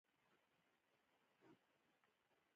خپلو غلامانو ته ښې تنخواوې ورکړي.